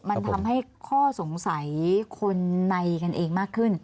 มันทำให้ข้อสงสัยคนในกันเองมากขึ้น